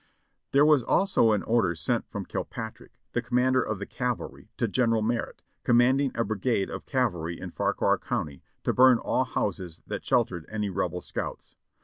There was also an order sent from Kilpatrick, the commander of the cavalry, to General Merritt, commanding a brigade of cavalry in Fauquier County, to burn all houses that sheltered any Rebel scouts.